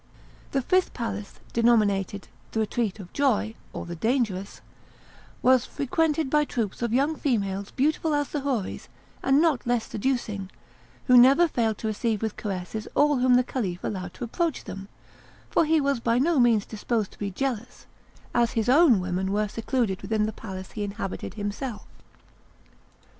The fifth palace, denominated "The Retreat of Joy, or the Dangerous," was frequented by troops of young females beautiful as the houris, and not less seducing, who never failed to receive with caresses all whom the Caliph allowed to approach them; for he was by no means disposed to be jealous, as his own women were secluded within the palace he inhabited himself.